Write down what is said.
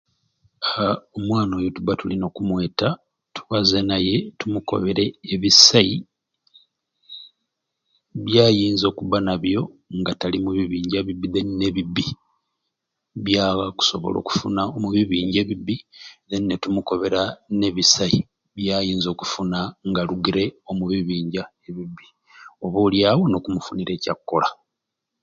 Haa omwana oyo tuba tulina okumweta tubaze naye tumukobere ebisai byayinza okuba nabyo nga tali omubinja ebibi byakusobola okufuna omu bibinja ebibi then ne tumukobera nebisai byayinza okufuna nga omu bibinja oba olyawo n'okumufinira ekyakukola